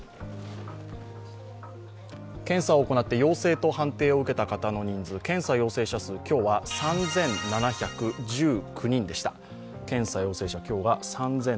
検査を行って陽性と判定を受けた方の人数、検査陽性者数、今日は３７１９人でした。